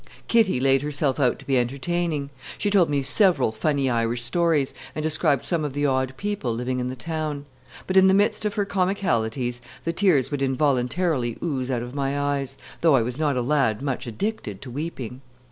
Kitty laid herself out to be entertaining. She told me several funny Irish stories, and described some of the odd people living in the town; but, in the midst of her comicalities, the tears would involuntarily ooze out of my eyes, though I was not a lad much addicted to weeping.